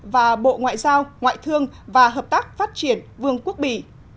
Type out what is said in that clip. và bộ ngoại giao ngoại thương và hợp tác phát triển vương quốc bỉ